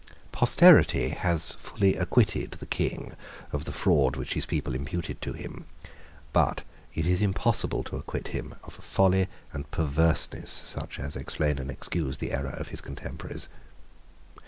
Posterity has fully acquitted the King of the fraud which his people imputed to him. But it is impossible to acquit him of folly and perverseness such as explain and excuse the error of his contemporaries.